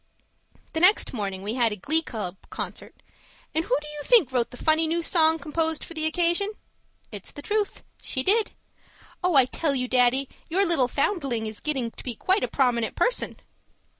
The next morning we had a glee club concert and who do you think wrote the funny new song composed for the occasion? It's the truth. She did. Oh, I tell you, Daddy, your little foundling is getting to be quite a prominent person!